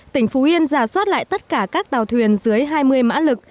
tỉnh phú yên giả soát lại tất cả các tàu thuyền dưới hai mươi mã lực